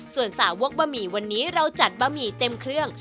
ส่วนสาวกบะหมี่วันนี้เราจัดบะหมี่เต็มเครื่อง